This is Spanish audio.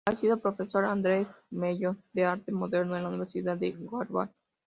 Ha sido profesor "Andrew W. Mellon" de Arte moderno de la Universidad de Harvard.